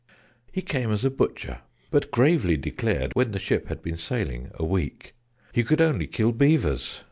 He came as a Butcher: but gravely declared, When the ship had been sailing a week, He could only kill Beavers.